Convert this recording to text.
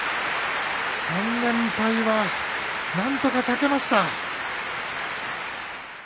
３連敗はなんとか避けました。